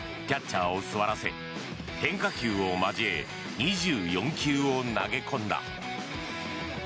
キャッチャーを座らせ変化球を交え２４球を投げ込んだ。